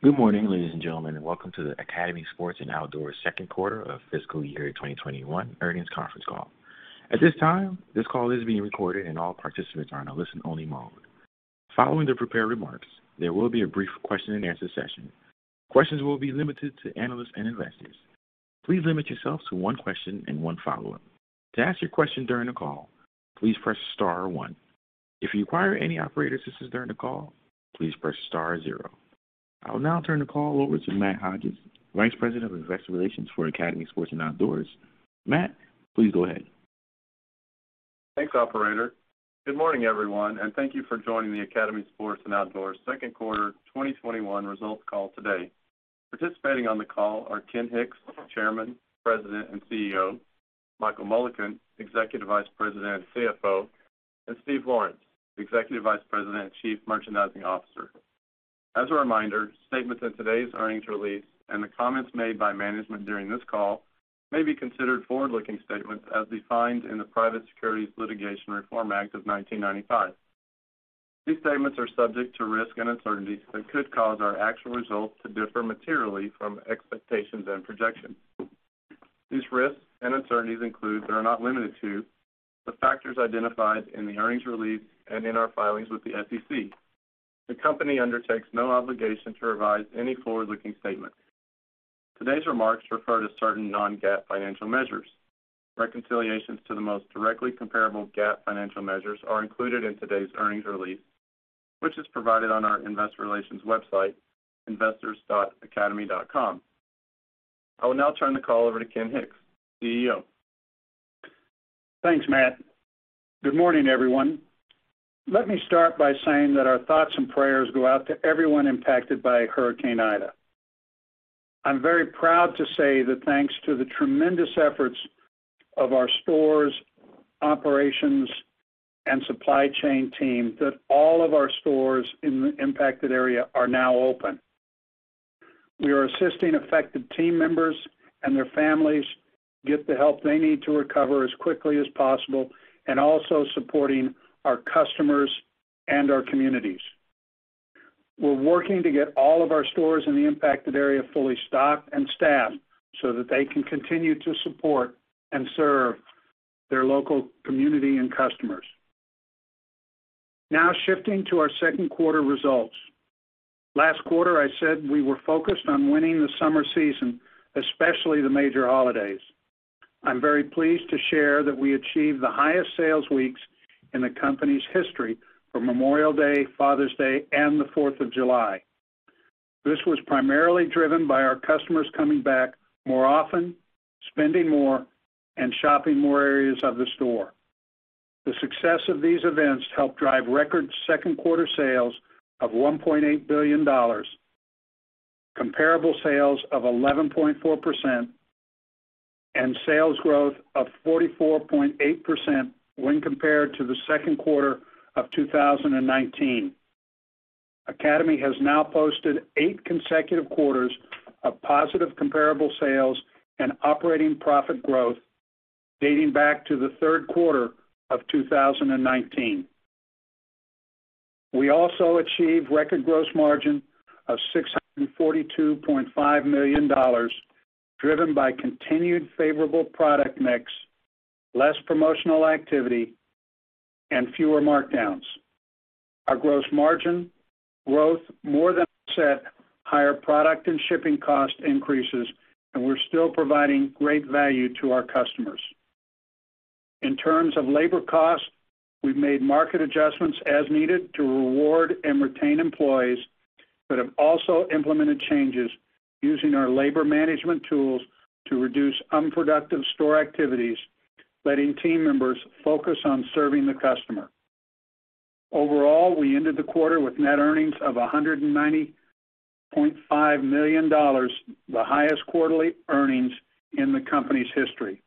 Good morning, ladies and gentlemen, and welcome to the Academy Sports + Outdoors second quarter of fiscal year 2021 earnings conference call. At this time, this call is being recorded and all participants are in a listen-only mode. Following the prepared remarks, there will be a brief question-and-answer session. Questions will be limited to analysts and investors. Please limit yourself to 1 question and 1 follow-up. To ask your question during the call, please press star 1. If you require any operator assistance during the call, please press star 0. I will now turn the call over to Matt Hodges, Vice President of Investor Relations for Academy Sports + Outdoors. Matt, please go ahead. Thanks, operator. Good morning, everyone, and thank you for joining the Academy Sports + Outdoors second quarter 2021 results call today. Participating on the call are Ken Hicks, Chairman, President, and CEO; Michael Mullican, Executive Vice President and CFO; and Steve Lawrence, Executive Vice President and Chief Merchandising Officer. As a reminder, statements in today's earnings release and the comments made by management during this call may be considered forward-looking statements as defined in the Private Securities Litigation Reform Act of 1995. These statements are subject to risks and uncertainties that could cause our actual results to differ materially from expectations and projections. These risks and uncertainties include, but are not limited to, the factors identified in the earnings release and in our filings with the SEC. The company undertakes no obligation to revise any forward-looking statements. Today's remarks refer to certain non-GAAP financial measures. Reconciliations to the most directly comparable GAAP financial measures are included in today's earnings release, which is provided on our investor relations website, investors.academy.com. I will now turn the call over to Ken Hicks, CEO. Thanks, Matt. Good morning, everyone. Let me start by saying that our thoughts and prayers go out to everyone impacted by Hurricane Ida. I'm very proud to say that thanks to the tremendous efforts of our stores, operations, and supply chain team, that all of our stores in the impacted area are now open. We are assisting affected team members and their families get the help they need to recover as quickly as possible and also supporting our customers and our communities. We're working to get all of our stores in the impacted area fully stocked and staffed so that they can continue to support and serve their local community and customers. Now shifting to our second quarter results. Last quarter, I said we were focused on winning the summer season, especially the major holidays. I'm very pleased to share that we achieved the highest sales weeks in the company's history for Memorial Day, Father's Day, and the Fourth of July. This was primarily driven by our customers coming back more often, spending more, and shopping more areas of the store. The success of these events helped drive record second quarter sales of $1.8 billion, comparable sales of 11.4%, and sales growth of 44.8% when compared to the second quarter of 2019. Academy has now posted eight consecutive quarters of positive comparable sales and operating profit growth dating back to the third quarter of 2019. We also achieved record gross margin of $642.5 million, driven by continued favorable product mix, less promotional activity, and fewer markdowns. Our gross margin growth more than offset higher product and shipping cost increases, and we're still providing great value to our customers. In terms of labor costs, we've made market adjustments as needed to reward and retain employees, but have also implemented changes using our labor management tools to reduce unproductive store activities, letting team members focus on serving the customer. Overall, we ended the quarter with net earnings of $190.5 million, the highest quarterly earnings in the company's history.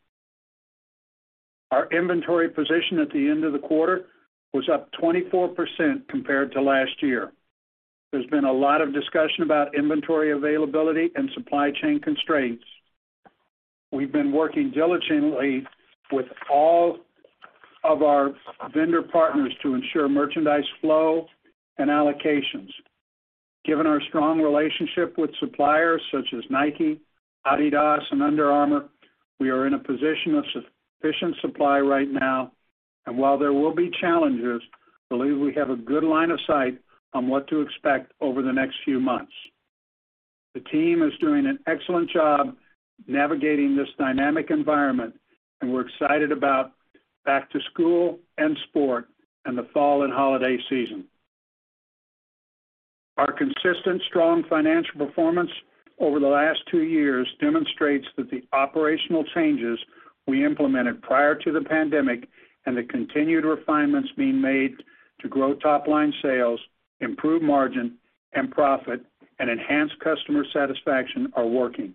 Our inventory position at the end of the quarter was up 24% compared to last year. There's been a lot of discussion about inventory availability and supply chain constraints. We've been working diligently with all of our vendor partners to ensure merchandise flow and allocations. Given our strong relationship with suppliers such as Nike, Adidas, and Under Armour, we are in a position of sufficient supply right now, and while there will be challenges, believe we have a good line of sight on what to expect over the next few months. The team is doing an excellent job navigating this dynamic environment, and we're excited about back to school and sport in the fall and holiday season. Our consistent, strong financial performance over the last two years demonstrates that the operational changes we implemented prior to the pandemic and the continued refinements being made to grow top-line sales, improve margin and profit, and enhance customer satisfaction are working.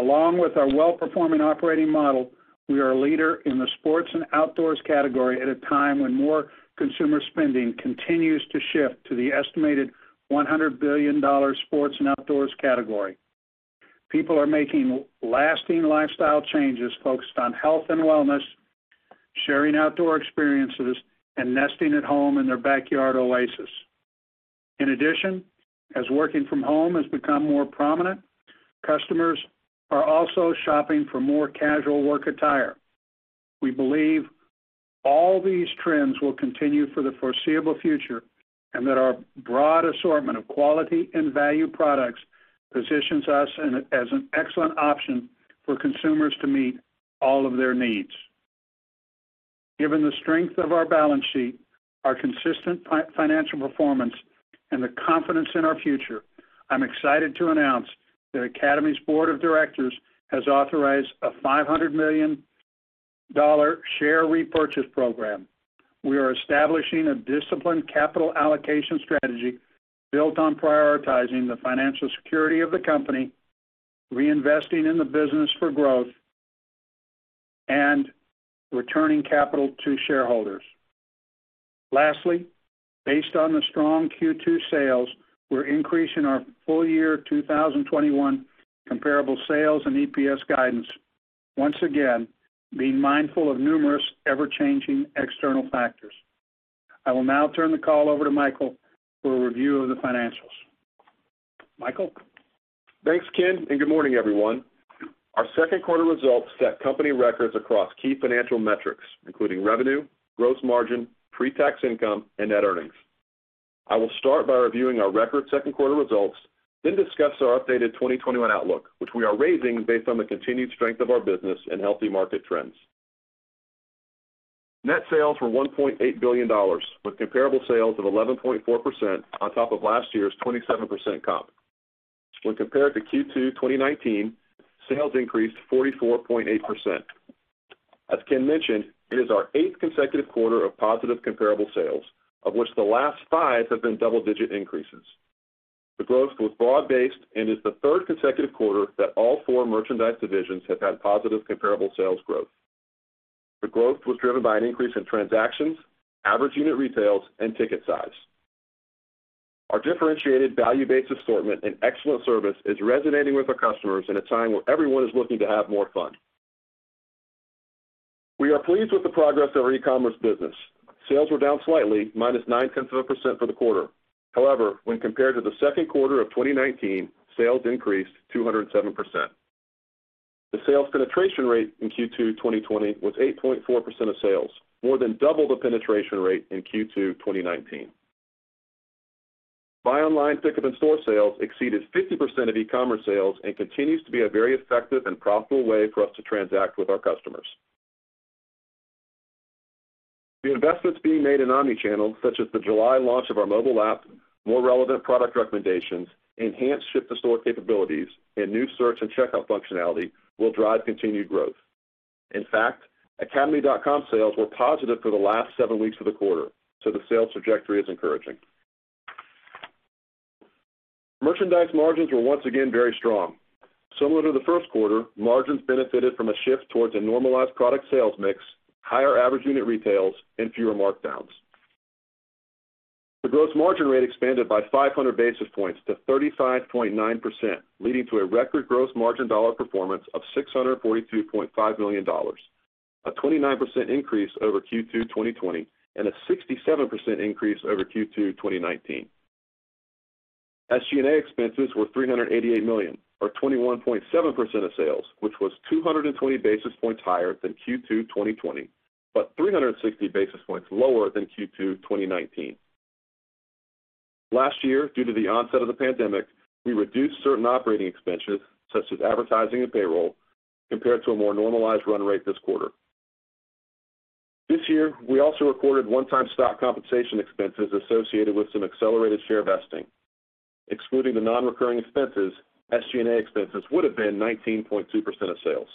Along with our well-performing operating model, we are a leader in the sports and outdoors category at a time when more consumer spending continues to shift to the estimated $100 billion sports and outdoors category. People are making lasting lifestyle changes focused on health and wellness sharing outdoor experiences and nesting at home in their backyard oasis. In addition, as working from home has become more prominent, customers are also shopping for more casual work attire. We believe all these trends will continue for the foreseeable future, and that our broad assortment of quality and value products positions us as an excellent option for consumers to meet all of their needs. Given the strength of our balance sheet, our consistent financial performance, and the confidence in our future, I'm excited to announce that Academy's Board of Directors has authorized a $500 million share repurchase program. We are establishing a disciplined capital allocation strategy built on prioritizing the financial security of the company, reinvesting in the business for growth, and returning capital to shareholders. Lastly, based on the strong Q2 sales, we're increasing our full year 2021 comparable sales and EPS guidance, once again, being mindful of numerous ever-changing external factors. I will now turn the call over to Michael for a review of the financials. Michael? Thanks, Ken. Good morning, everyone. Our second quarter results set company records across key financial metrics, including revenue, gross margin, pre-tax income, and net earnings. I will start by reviewing our record second quarter results, then discuss our updated 2021 outlook, which we are raising based on the continued strength of our business and healthy market trends. Net sales were $1.8 billion, with comparable sales of 11.4% on top of last year's 27% comp. When compared to Q2 2019, sales increased 44.8%. As Ken mentioned, it is our eighth consecutive quarter of positive comparable sales, of which the last five have been double-digit increases. The growth was broad-based and is the third consecutive quarter that all four merchandise divisions have had positive comparable sales growth. The growth was driven by an increase in transactions, average unit retails, and ticket size. Our differentiated value-based assortment and excellent service is resonating with our customers at a time where everyone is looking to have more fun. We are pleased with the progress of our e-commerce business. Sales were down slightly, minus 9.10% for the quarter. However, when compared to the second quarter of 2019, sales increased 207%. The sales penetration rate in Q2 2020 was 8.4% of sales, more than double the penetration rate in Q2 2019. Buy online, pick up in-store sales exceeded 50% of e-commerce sales and continues to be a very effective and profitable way for us to transact with our customers. The investments being made in omnichannel, such as the July launch of our mobile app, more relevant product recommendations, enhanced ship to store capabilities, and new search and checkout functionality, will drive continued growth. academy.com sales were positive for the last seven weeks of the quarter, the sales trajectory is encouraging. Merchandise margins were once again very strong. Similar to the first quarter, margins benefited from a shift towards a normalized product sales mix, higher average unit retails, and fewer markdowns. The gross margin rate expanded by 500 basis points to 35.9%, leading to a record gross margin dollar performance of $642.5 million, a 29% increase over Q2 2020 and a 67% increase over Q2 2019. SG&A expenses were $388 million, or 21.7% of sales, which was 220 basis points higher than Q2 2020, 360 basis points lower than Q2 2019. Last year, due to the onset of the pandemic, we reduced certain operating expenses, such as advertising and payroll, compared to a more normalized run rate this quarter. This year, we also recorded one-time stock compensation expenses associated with some accelerated share vesting. Excluding the non-recurring expenses, SG&A expenses would have been 19.2% of sales.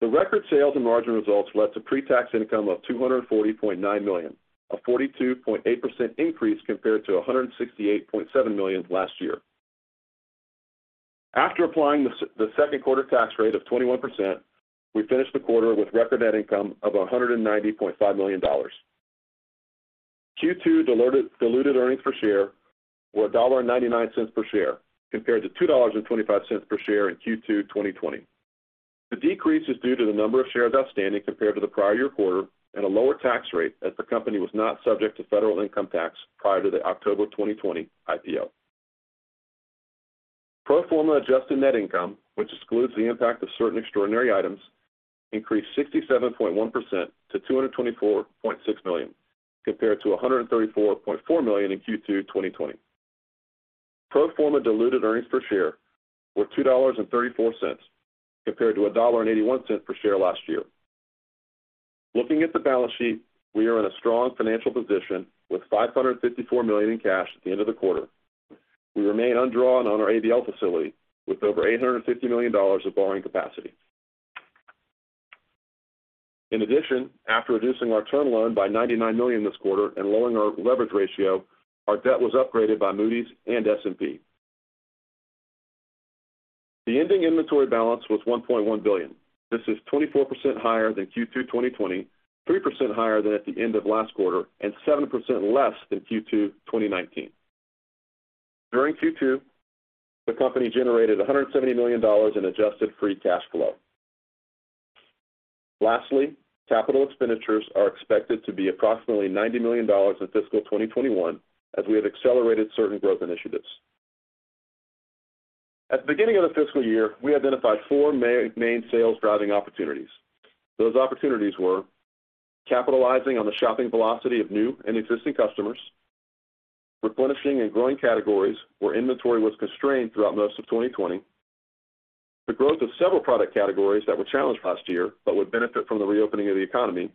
The record sales and margin results led to pre-tax income of $240.9 million, a 42.8% increase compared to $168.7 million last year. After applying the second quarter tax rate of 21%, we finished the quarter with record net income of $190.5 million. Q2 diluted earnings per share were $1.99 per share, compared to $2.25 per share in Q2 2020. The decrease is due to the number of shares outstanding compared to the prior year quarter and a lower tax rate as the company was not subject to federal income tax prior to the October 2020 IPO. Pro forma adjusted net income, which excludes the impact of certain extraordinary items, increased 67.1% to $224.6 million, compared to $134.4 million in Q2 2020. Pro forma diluted earnings per share were $2.34, compared to $1.81 per share last year. Looking at the balance sheet, we are in a strong financial position with $554 million in cash at the end of the quarter. We remain undrawn on our ABL facility with over $850 million of borrowing capacity. In addition, after reducing our term loan by $99 million this quarter and lowering our leverage ratio, our debt was upgraded by Moody's and S&P. The ending inventory balance was $1.1 billion. This is 24% higher than Q2 2020, 3% higher than at the end of last quarter, and 7% less than Q2 2019. During Q2, the company generated $170 million in adjusted free cash flow. Lastly, capital expenditures are expected to be approximately $90 million in fiscal 2021, as we have accelerated certain growth initiatives. At the beginning of the fiscal year, we identified four main sales-driving opportunities. Those opportunities were capitalizing on the shopping velocity of new and existing customers, replenishing and growing categories where inventory was constrained throughout most of 2020, the growth of several product categories that were challenged last year but would benefit from the reopening of the economy,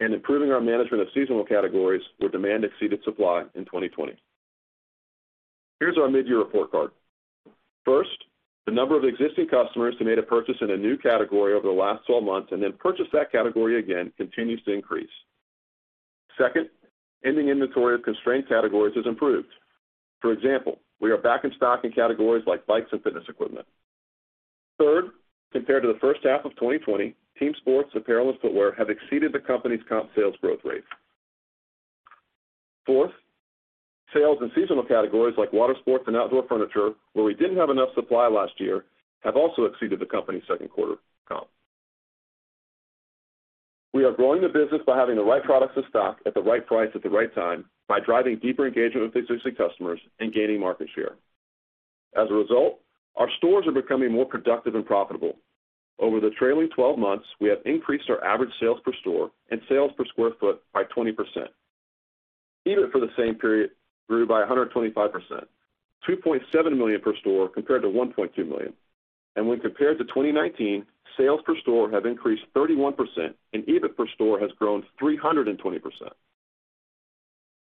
and improving our management of seasonal categories where demand exceeded supply in 2020. Here's our mid-year report card. First, the number of existing customers who made a purchase in a new category over the last 12 months and then purchased that category again continues to increase. Second, ending inventory of constrained categories has improved. For example, we are back in stock in categories like bikes and fitness equipment. Third, compared to the first half of 2020, team sports, apparel, and footwear have exceeded the company's comp sales growth rate. Sales in seasonal categories like water sports and outdoor furniture, where we didn't have enough supply last year, have also exceeded the company's second quarter comp. We are growing the business by having the right products in stock at the right price at the right time by driving deeper engagement with existing customers and gaining market share. Our stores are becoming more productive and profitable. Over the trailing 12 months, we have increased our average sales per store and sales per square foot by 20%. EBIT for the same period grew by 125%, $2.7 million per store compared to $1.2 million. When compared to 2019, sales per store have increased 31%, and EBIT per store has grown 320%.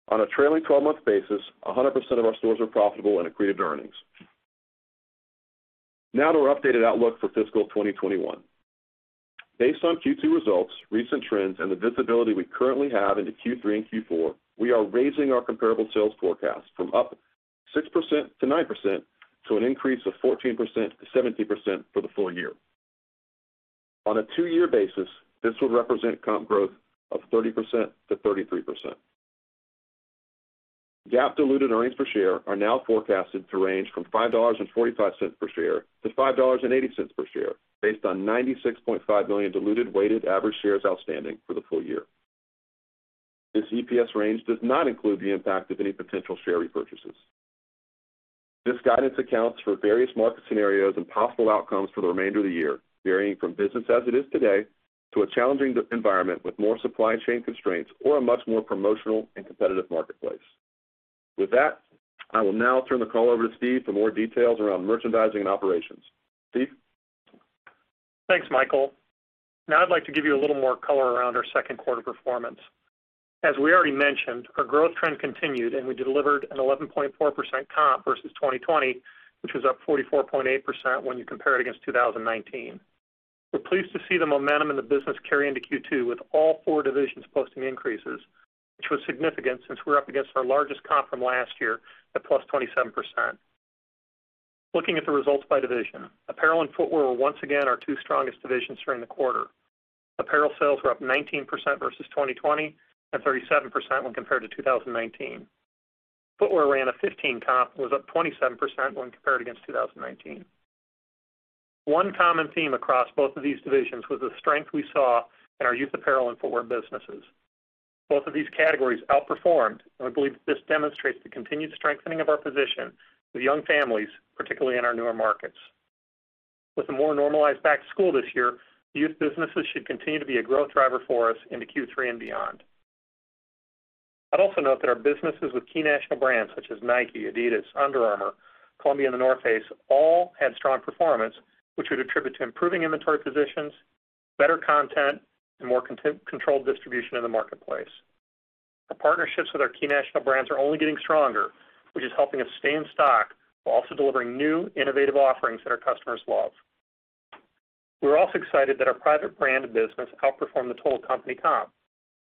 On a trailing 12-month basis, 100% of our stores are profitable and accretive to earnings. To our updated outlook for fiscal 2021. Based on Q2 results, recent trends, and the visibility we currently have into Q3 and Q4, we are raising our comparable sales forecast from up 6%-9% to an increase of 14%-17% for the full year. On a two-year basis, this would represent comp growth of 30%-33%. GAAP diluted earnings per share are now forecasted to range from $5.45 per share-$5.80 per share, based on 96.5 million diluted weighted average shares outstanding for the full year. This EPS range does not include the impact of any potential share repurchases. This guidance accounts for various market scenarios and possible outcomes for the remainder of the year, varying from business as it is today to a challenging environment with more supply chain constraints or a much more promotional and competitive marketplace. With that, I will now turn the call over to Steve for more details around merchandising and operations. Steve? Thanks, Michael. Now I'd like to give you a little more color around our second quarter performance. As we already mentioned, our growth trend continued, and we delivered an 11.4% comp versus 2020, which was up 44.8% when you compare it against 2019. We're pleased to see the momentum in the business carry into Q2 with all four divisions posting increases, which was significant since we're up against our largest comp from last year at +27%. Looking at the results by division, apparel and footwear were once again our two strongest divisions during the quarter. Apparel sales were up 19% versus 2020 and 37% when compared to 2019. Footwear ran a 15 comp and was up 27% when compared against 2019. One common theme across both of these divisions was the strength we saw in our youth apparel and footwear businesses. Both of these categories outperformed. We believe that this demonstrates the continued strengthening of our position with young families, particularly in our newer markets. With a more normalized back to school this year, youth businesses should continue to be a growth driver for us into Q3 and beyond. I'd also note that our businesses with key national brands such as Nike, Adidas, Under Armour, Columbia, and The North Face all had strong performance, which we'd attribute to improving inventory positions, better content, and more controlled distribution in the marketplace. Our partnerships with our key national brands are only getting stronger, which is helping us stay in stock while also delivering new, innovative offerings that our customers love. We're also excited that our private brand business outperformed the total company comp.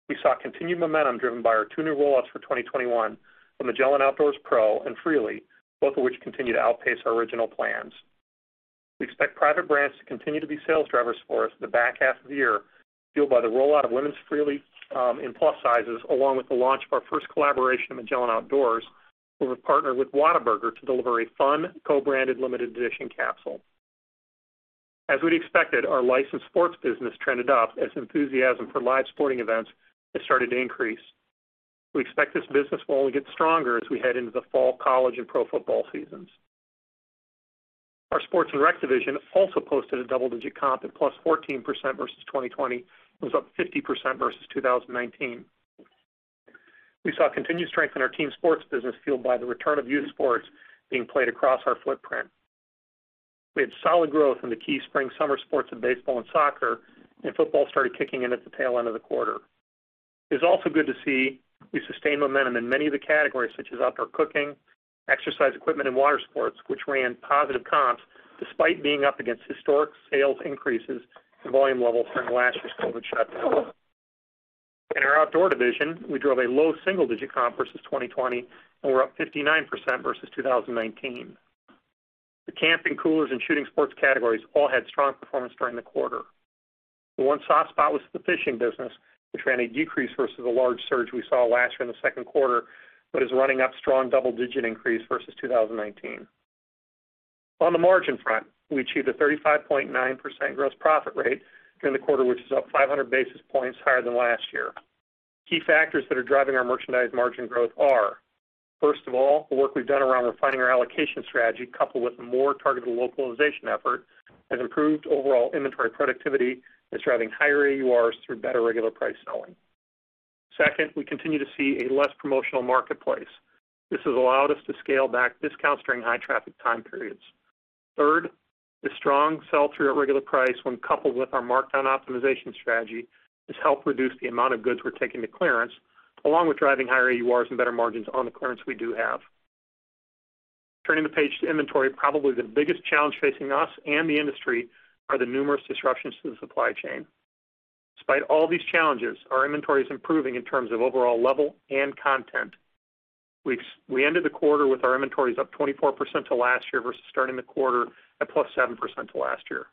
We saw continued momentum driven by our two new rollouts for 2021 from Magellan Outdoors Pro and Freely, both of which continue to outpace our original plans. We expect private brands to continue to be sales drivers for us in the back half of the year, fueled by the rollout of Women's Freely in plus sizes, along with the launch of our first collaboration with Magellan Outdoors. We will partner with Whataburger to deliver a fun, co-branded limited edition capsule. As we'd expected, our licensed sports business trended up as enthusiasm for live sporting events has started to increase. We expect this business will only get stronger as we head into the fall college and pro football seasons. Our sports and rec division also posted a double-digit comp at +14% versus 2020. It was up 50% versus 2019. We saw continued strength in our team sports business fueled by the return of youth sports being played across our footprint. We had solid growth in the key spring/summer sports of baseball and soccer. Football started kicking in at the tail end of the quarter. It was also good to see we sustained momentum in many of the categories such as outdoor cooking, exercise equipment, and water sports, which ran positive comps despite being up against historic sales increases and volume levels from last year's COVID shutdown. In our outdoor division, we drove a low single-digit comp versus 2020. We're up 59% versus 2019. The camping, coolers, and shooting sports categories all had strong performance during the quarter. The one soft spot was the fishing business, which ran a decrease versus a large surge we saw last year in the second quarter, but is running up strong double-digit increase versus 2019. On the margin front, we achieved a 35.9% gross profit rate during the quarter, which is up 500 basis points higher than last year. Key factors that are driving our merchandise margin growth are, first of all, the work we've done around refining our allocation strategy, coupled with more targeted localization effort, has improved overall inventory productivity and is driving higher AURs through better regular price selling. Second, we continue to see a less promotional marketplace. This has allowed us to scale back discounts during high traffic time periods. Third, the strong sell-through at regular price when coupled with our markdown optimization strategy, has helped reduce the amount of goods we're taking to clearance, along with driving higher AURs and better margins on the clearance we do have. Turning the page to inventory, probably the biggest challenge facing us and the industry are the numerous disruptions to the supply chain. Despite all these challenges, our inventory is improving in terms of overall level and content. We ended the quarter with our inventories up 24% to last year versus starting the quarter at plus 7% to last year.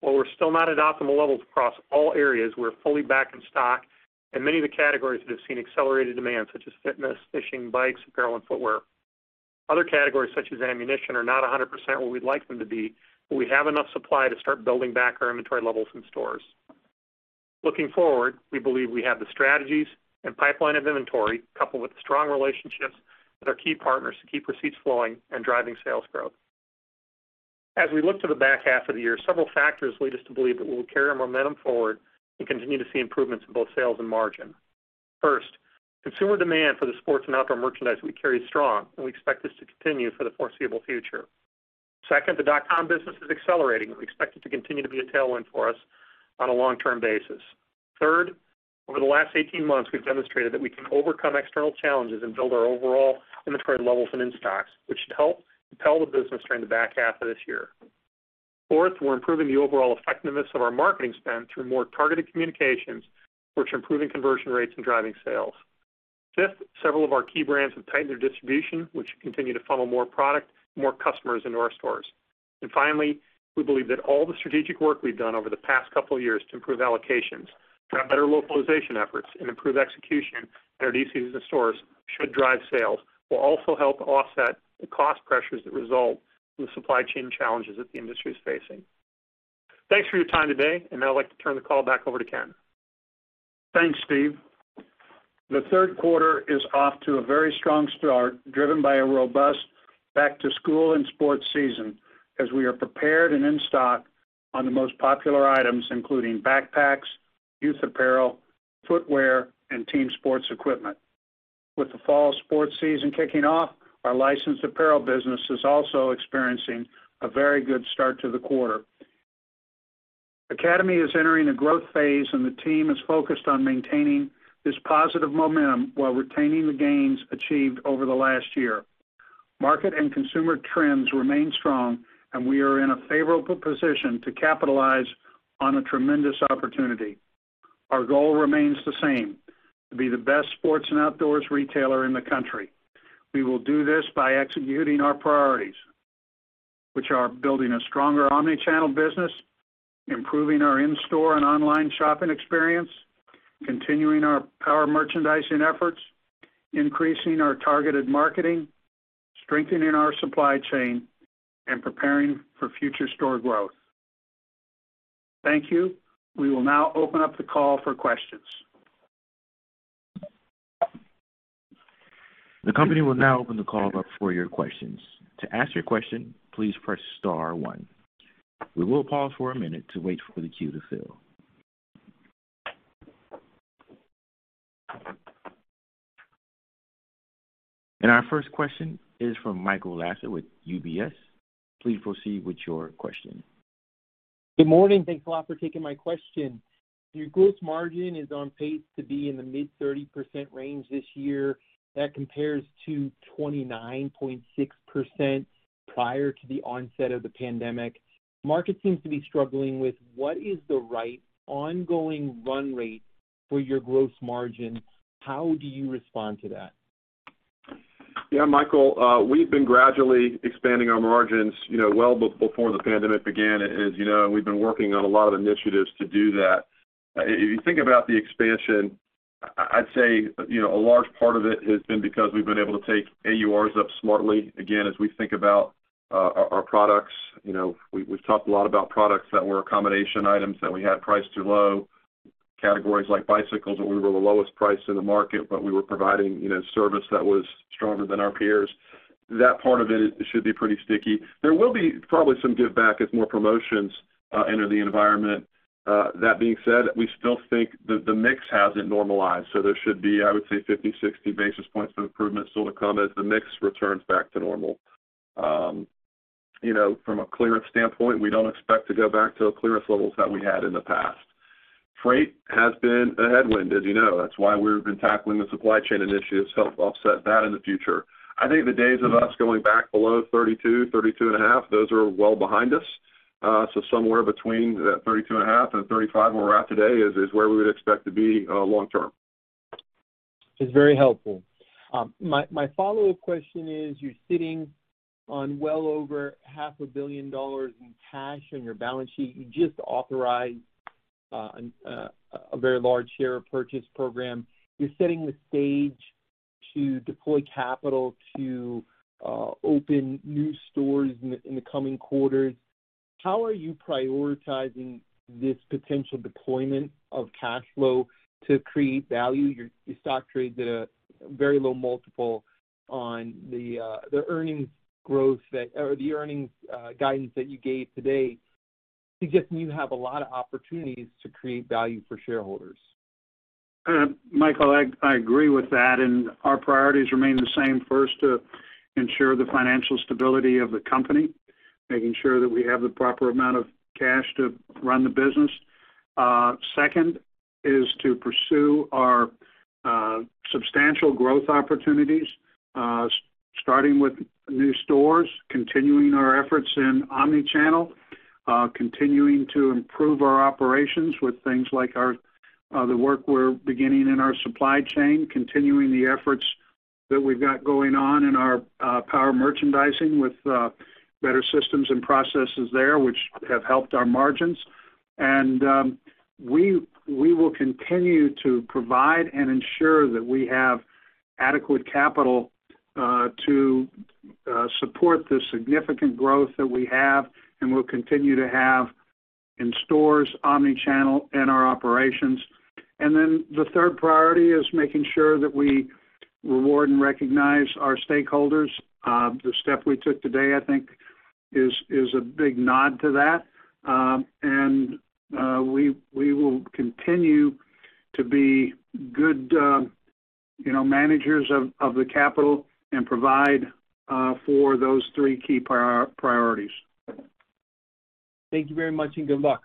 While we're still not at optimal levels across all areas, we're fully back in stock in many of the categories that have seen accelerated demand, such as fitness, fishing, bikes, apparel, and footwear. Other categories, such as ammunition, are not 100% where we'd like them to be. We have enough supply to start building back our inventory levels in stores. Looking forward, we believe we have the strategies and pipeline of inventory, coupled with strong relationships with our key partners to keep receipts flowing and driving sales growth. As we look to the back half of the year, several factors lead us to believe that we'll carry our momentum forward and continue to see improvements in both sales and margin. First, consumer demand for the sports and outdoor merchandise we carry is strong. We expect this to continue for the foreseeable future. Second, the dot-com business is accelerating. We expect it to continue to be a tailwind for us on a long-term basis. Third, over the last 18 months, we've demonstrated that we can overcome external challenges and build our overall inventory levels and in-stocks, which should help propel the business during the back half of this year. Fourth, we're improving the overall effectiveness of our marketing spend through more targeted communications, which are improving conversion rates and driving sales. Fifth, several of our key brands have tightened their distribution, which should continue to funnel more product and more customers into our stores. Finally, we believe that all the strategic work we've done over the past couple of years to improve allocations, to have better localization efforts, and improve execution at our DCs and stores should drive sales, will also help offset the cost pressures that result from the supply chain challenges that the industry is facing. Thanks for your time today, and now I'd like to turn the call back over to Ken. Thanks, Steve. The third quarter is off to a very strong start, driven by a robust back-to-school and sports season, as we are prepared and in stock on the most popular items, including backpacks, youth apparel, footwear, and team sports equipment. With the fall sports season kicking off, our licensed apparel business is also experiencing a very good start to the quarter. Academy is entering a growth phase, and the team is focused on maintaining this positive momentum while retaining the gains achieved over the last year. Market and consumer trends remain strong, and we are in a favorable position to capitalize on a tremendous opportunity. Our goal remains the same: to be the best sports and outdoors retailer in the country. We will do this by executing our priorities, which are building a stronger omnichannel business, improving our in-store and online shopping experience, continuing our power merchandising efforts, increasing our targeted marketing, strengthening our supply chain, and preparing for future store growth. Thank you. We will now open up the call for questions. The company will now open the call up for your questions. To ask your question, please press star one. We will pause for a minute to wait for the queue to fill. Our first question is from Michael Lasser with UBS. Please proceed with your question. Good morning. Thanks a lot for taking my question. Your gross margin is on pace to be in the mid-30% range this year. That compares to 29.6% prior to the onset of the pandemic. Market seems to be struggling with what is the right ongoing run rate for your gross margin. How do you respond to that? Yeah, Michael, we've been gradually expanding our margins well before the pandemic began. As you know, we've been working on a lot of initiatives to do that. If you think about the expansion, I'd say a large part of it has been because we've been able to take AURs up smartly. Again, as we think about our products, we've talked a lot about products that were accommodation items that we had priced too low. Categories like bicycles, where we were the lowest price in the market, but we were providing service that was stronger than our peers. That part of it should be pretty sticky. There will be probably some giveback as more promotions enter the environment. That being said, we still think that the mix hasn't normalized, so there should be, I would say, 50, 60 basis points of improvement still to come as the mix returns back to normal. From a clearance standpoint, we don't expect to go back to the clearance levels that we had in the past. Freight has been a headwind, as you know. That's why we've been tackling the supply chain initiatives to help offset that in the future. I think the days of us going back below 32 and a half, those are well behind us. Somewhere between that 32 and a half and 35, where we're at today, is where we would expect to be long term. It's very helpful. My follow-up question is, you're sitting on well over half a billion dollars in cash on your balance sheet. You just authorized a very large share purchase program. You're setting the stage to deploy capital to open new stores in the coming quarters. How are you prioritizing this potential deployment of cash flow to create value? Your stock trades at a very low multiple on the earnings guidance that you gave today. It suggests you have a lot of opportunities to create value for shareholders. Michael, I agree with that. Our priorities remain the same. First, to ensure the financial stability of the company, making sure that we have the proper amount of cash to run the business. Second is to pursue our substantial growth opportunities, starting with new stores, continuing our efforts in omni-channel, continuing to improve our operations with things like the work we're beginning in our supply chain, continuing the efforts that we've got going on in our power merchandising with better systems and processes there, which have helped our margins. We will continue to provide and ensure that we have adequate capital to support the significant growth that we have and will continue to have in stores, omni-channel, and our operations. Then the third priority is making sure that we reward and recognize our stakeholders. The step we took today, I think, is a big nod to that. We will continue to be good managers of the capital and provide for those three key priorities. Thank you very much, and good luck.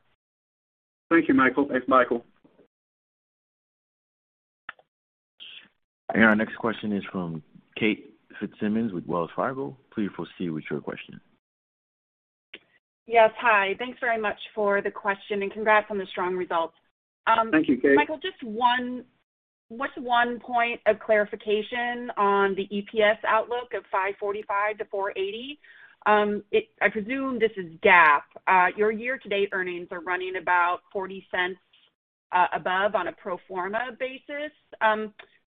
Thank you, Michael. Thanks, Michael. Our next question is from Kara McShane with Wells Fargo. Please proceed with your question. Yes. Hi. Thanks very much for the question and congrats on the strong results. Thank you, Kara. Michael, just 1 point of clarification on the EPS outlook of $5.45-$4.80. I presume this is GAAP. Your year-to-date earnings are running about $0.40 above on a pro forma basis.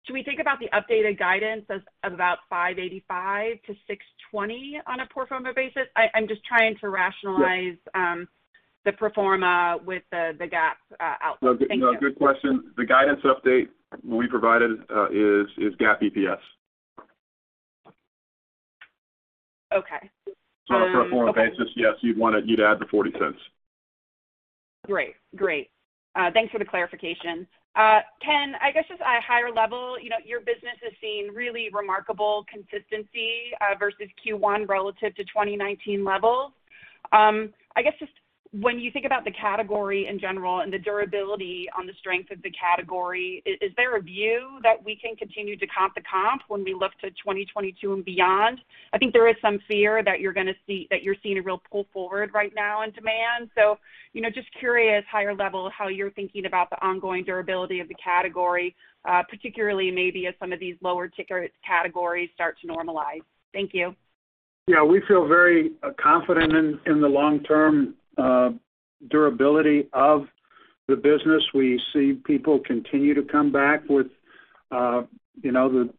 Should we think about the updated guidance as about $5.85-$6.20 on a pro forma basis? I'm just trying to rationalize. Yes the pro forma with the GAAP outlook. Thank you. No, good question. The guidance update we provided is GAAP EPS. Okay. On a pro forma basis, yes, you'd add the $0.40. Great. Thanks for the clarification. Ken, I guess just at a higher level, your business has seen really remarkable consistency versus Q1 relative to 2019 levels. I guess just when you think about the category in general and the durability on the strength of the category, is there a view that we can continue to comp the comp when we look to 2022 and beyond? I think there is some fear that you're seeing a real pull forward right now in demand. Just curious, higher level, how you're thinking about the ongoing durability of the category, particularly maybe as some of these lower ticket categories start to normalize. Thank you. Yeah, we feel very confident in the long-term durability of the business. We see people continue to come back with the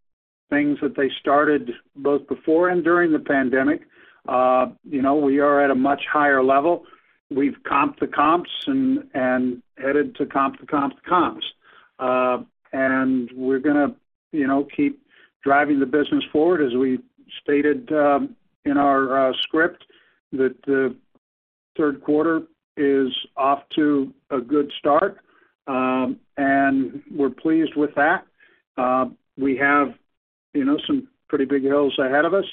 things that they started both before and during the pandemic. We are at a much higher level. We've comped the comps and headed to comp the comped comps. We're going to keep driving the business forward, as we stated in our script, that the third quarter is off to a good start. We're pleased with that. We have some pretty big hills ahead of us,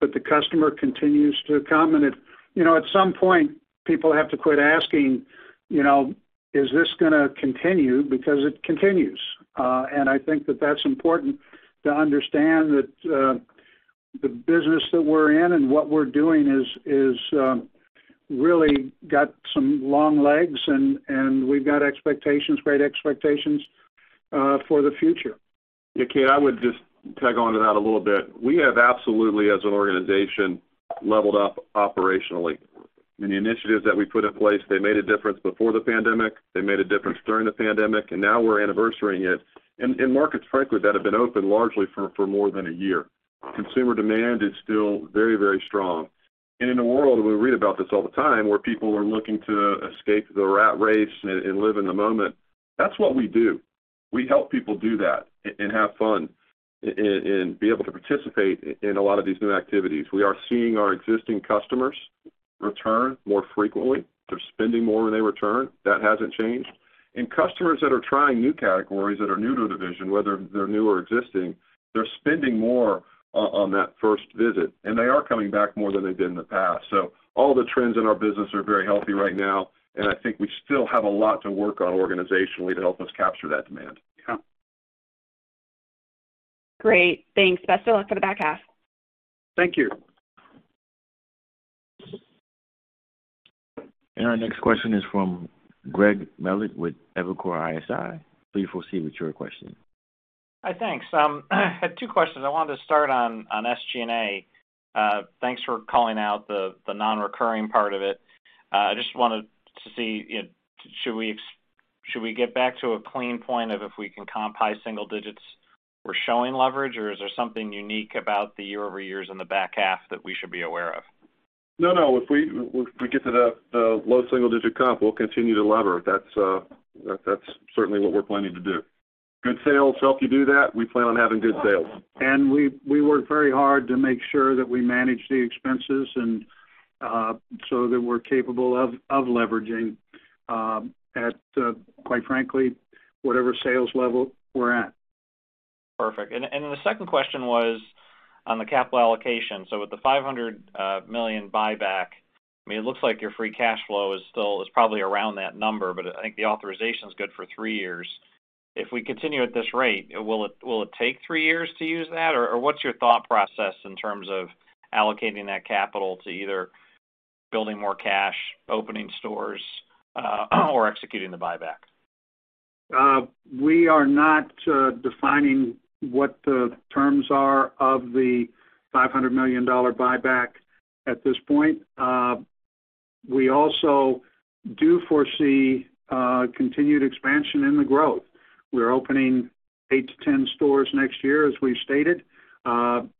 but the customer continues to come, and at some point, people have to quit asking, "Is this going to continue?" Because it continues. I think that that's important to understand that the business that we're in and what we're doing is really got some long legs, and we've got expectations, great expectations, for the future. Yeah, Kara McShane, I would just tag onto that a little bit. We have absolutely, as an organization, leveled up operationally. The initiatives that we put in place, they made a difference before the pandemic, they made a difference during the pandemic, and now we're anniversarying it. In markets, frankly, that have been open largely for more than a year. Consumer demand is still very, very strong. In a world, and we read about this all the time, where people are looking to escape the rat race and live in the moment, that's what we do. We help people do that and have fun and be able to participate in a lot of these new activities. We are seeing our existing customers return more frequently. They're spending more when they return. That hasn't changed. Customers that are trying new categories that are new to the division, whether they're new or existing, they're spending more on that first visit, and they are coming back more than they did in the past. All the trends in our business are very healthy right now, and I think we still have a lot to work on organizationally to help us capture that demand. Yeah. Great. Thanks. Best of luck for the back half. Thank you. Our next question is from Greg Melich with Evercore ISI. Please proceed with your question. Hi, thanks. I had two questions. I wanted to start on SG&A. Thanks for calling out the non-recurring part of it. I just wanted to see, should we get back to a clean point of if we can comp high single digits, we're showing leverage? Or is there something unique about the year-over-years in the back half that we should be aware of? No. If we get to that low single-digit comp, we will continue to lever. That is certainly what we are planning to do. Good sales help you do that. We plan on having good sales. We work very hard to make sure that we manage the expenses and so that we're capable of leveraging at, quite frankly, whatever sales level we're at. Perfect. The second question was on the capital allocation. With the $500 million buyback, it looks like your free cash flow is probably around that number, but I think the authorization's good for three years. If we continue at this rate, will it take three years to use that? What's your thought process in terms of allocating that capital to either building more cash, opening stores, or executing the buyback? We are not defining what the terms are of the $500 million buyback at this point. We also do foresee continued expansion in the growth. We're opening eight to 10 stores next year, as we've stated.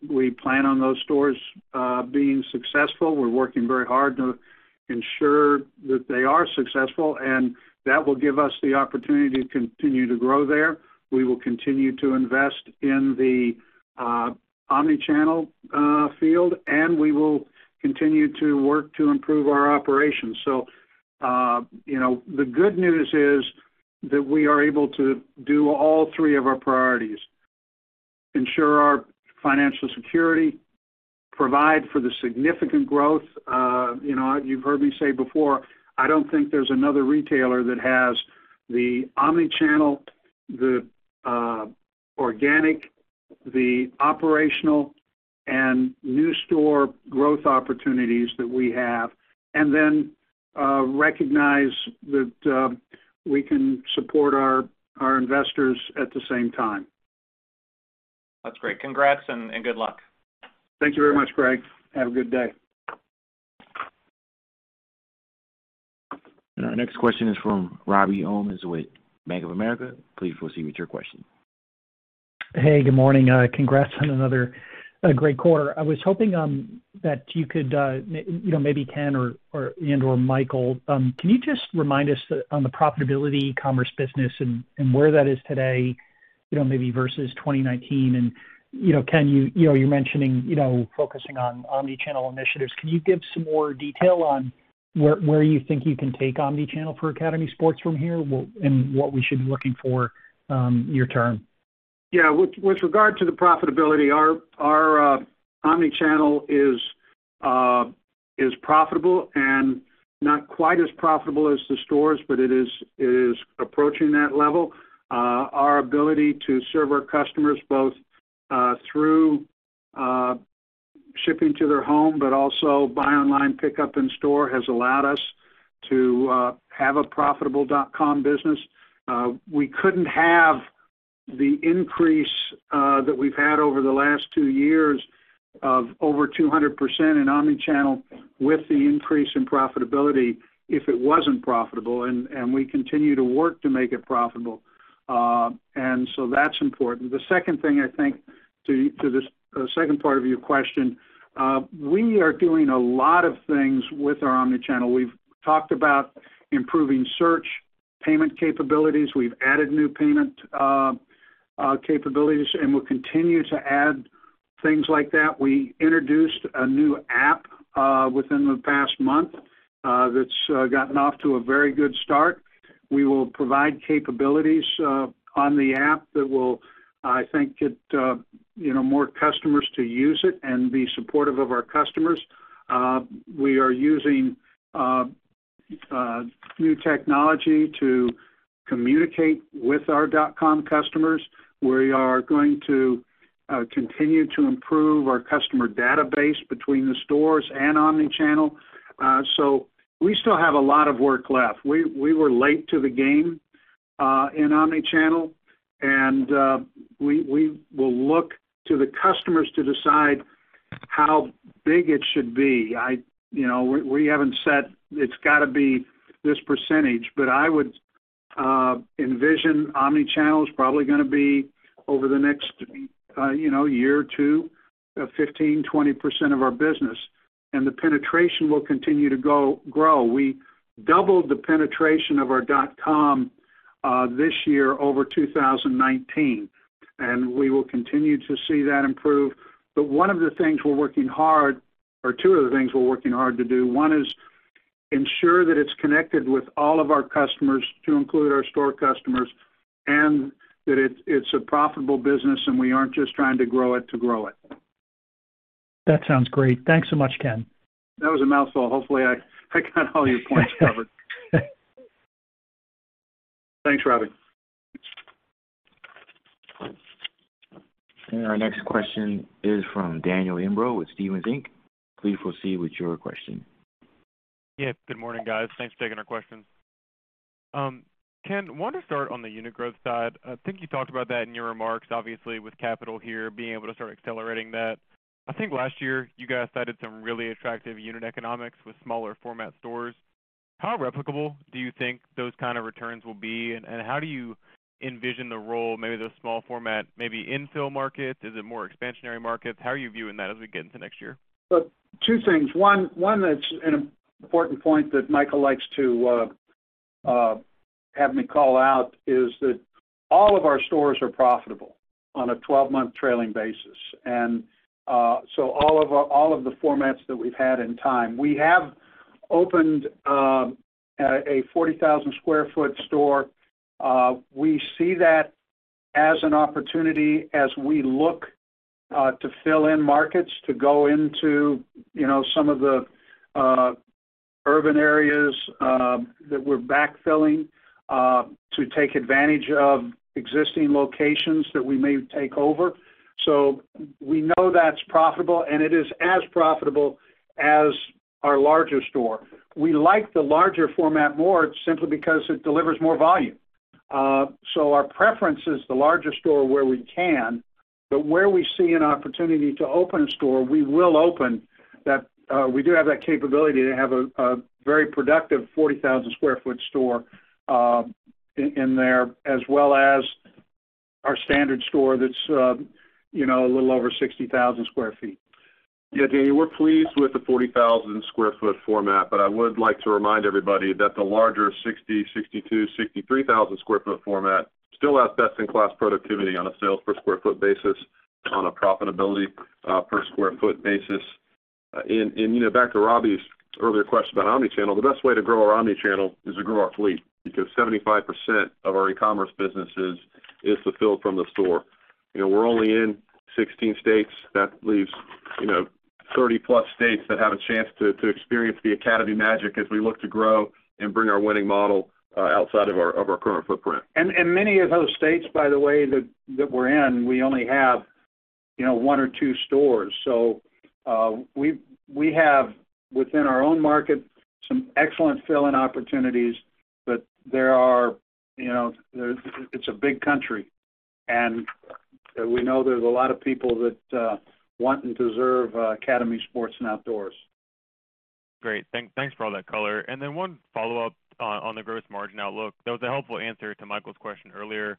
We plan on those stores being successful. We're working very hard to ensure that they are successful, and that will give us the opportunity to continue to grow there. We will continue to invest in the omni-channel field, and we will continue to work to improve our operations. The good news is that we are able to do all three of our priorities, ensure our financial security, provide for the significant growth. You've heard me say before, I don't think there's another retailer that has the omni-channel, the organic, the operational, and new store growth opportunities that we have, and then recognize that we can support our investors at the same time. That's great. Congrats and good luck. Thank you very much, Greg. Have a good day. Our next question is from Robert Ohmes with Bank of America. Please proceed with your question. Hey, good morning. Congrats on another great quarter. I was hoping that you could, maybe Ken and/or Michael, can you just remind us on the profitability, commerce business and where that is today, maybe versus 2019? Ken, you're mentioning focusing on omni-channel initiatives. Can you give some more detail on where you think you can take omni-channel for Academy Sports from here and what we should be looking for near term? Yeah. With regard to the profitability, our omni-channel is profitable and not quite as profitable as the stores, but it is approaching that level. Our ability to serve our customers both through shipping to their home, but also buy online, pickup in store, has allowed us to have a profitable .com business. We couldn't have the increase that we've had over the last two years of over 200% in omni-channel with the increase in profitability if it wasn't profitable, we continue to work to make it profitable. That's important. The second thing, I think, to the second part of your question, we are doing a lot of things with our omni-channel. We've talked about improving search, payment capabilities. We've added new payment capabilities, we'll continue to add things like that. We introduced a new app within the past month that's gotten off to a very good start. We will provide capabilities on the app that will, I think, get more customers to use it and be supportive of our customers. We are using new technology to communicate with our .com customers. We are going to continue to improve our customer database between the stores and omni-channel. We still have a lot of work left. We were late to the game in omni-channel, and we will look to the customers to decide how big it should be. We haven't said it's got to be this percentage, but I would envision omni-channel is probably going to be, over the next year or two, 15%-20% of our business, and the penetration will continue to grow. We doubled the penetration of our academy.com this year over 2019. We will continue to see that improve. One of the things we're working hard, or two of the things we're working hard to do, one is ensure that it's connected with all of our customers to include our store customers, and that it's a profitable business and we aren't just trying to grow it to grow it. That sounds great. Thanks so much, Ken. That was a mouthful. Hopefully, I got all your points covered. Thanks, Robbie. Our next question is from Daniel Imbro with Stephens Inc. Please proceed with your question. Good morning, guys. Thanks for taking our questions. Ken, want to start on the unit growth side. I think you talked about that in your remarks, obviously, with capital here, being able to start accelerating that. I think last year, you guys cited some really attractive unit economics with smaller format stores. How replicable do you think those kind of returns will be, and how do you envision the role, maybe those small format, maybe infill markets? Is it more expansionary markets? How are you viewing that as we get into next year? Look, two things. One, that's an important point that Michael Mullican likes to have me call out is that all of our stores are profitable on a 12-month trailing basis, and so all of the formats that we've had in time. We have opened a 40,000 sq ft store. We see that as an opportunity as we look to fill in markets to go into some of the urban areas that we're backfilling to take advantage of existing locations that we may take over. We know that's profitable, and it is as profitable as our larger store. We like the larger format more simply because it delivers more volume. Our preference is the larger store where we can, but where we see an opportunity to open a store, we will open that. We do have that capability to have a very productive 40,000 sq ft store in there, as well as our standard store that's a little over 60,000 sq ft. Yeah, Daniel, we're pleased with the 40,000 square foot format. I would like to remind everybody that the larger 60,000, 62,000, 63,000 square foot format still has best-in-class productivity on a sales per square foot basis, on a profitability per square foot basis. Back to Robbie's earlier question about omnichannel, the best way to grow our omnichannel is to grow our fleet because 75% of our e-commerce businesses is fulfilled from the store. We're only in 16 states. That leaves 30+ states that have a chance to experience the Academy magic as we look to grow and bring our winning model outside of our current footprint. Many of those states, by the way, that we're in, we only have one or two stores. We have, within our own market, some excellent fill-in opportunities, but it's a big country and we know there's a lot of people that want and deserve Academy Sports + Outdoors. Great. Thanks for all that color. Then one follow-up on the gross margin outlook. That was a helpful answer to Michael's question earlier.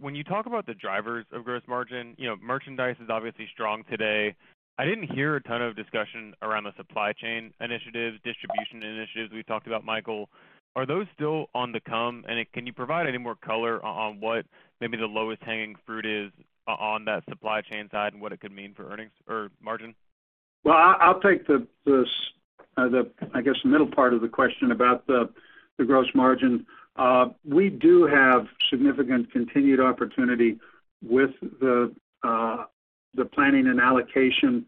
When you talk about the drivers of gross margin, merchandise is obviously strong today. I didn't hear a ton of discussion around the supply chain initiatives, distribution initiatives we talked about with Michael. Are those still on the come, and can you provide any more color on what maybe the lowest hanging fruit is on that supply chain side and what it could mean for earnings or margin? Well, I'll take the, I guess, middle part of the question about the gross margin. We do have significant continued opportunity with the planning and allocation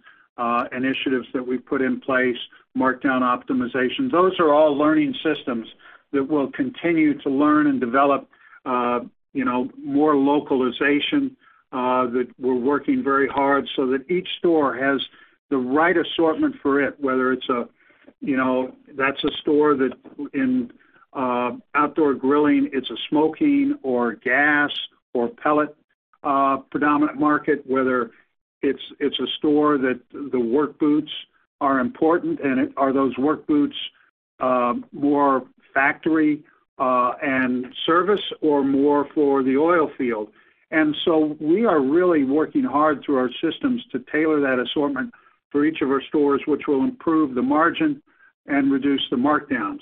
initiatives that we've put in place, markdown optimization, those are all learning systems that will continue to learn and develop more localization, that we're working very hard so that each store has the right assortment for it, whether that's a store that in outdoor grilling, it's a smoking or gas or pellet predominant market, whether it's a store that the work boots are important, and are those work boots more factory and service or more for the oil field. We are really working hard through our systems to tailor that assortment for each of our stores, which will improve the margin and reduce the markdowns.